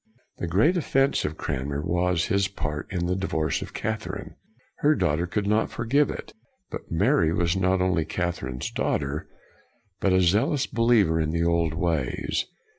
The great offense of Cranmer was his part in the divorce of Catherine. Her daughter could not forgive it. But Mary was not only Catherine's daughter but a zealous believer in the old ways.